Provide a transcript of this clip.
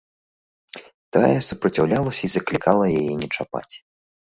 Тая супраціўлялася і заклікала яе не чапаць.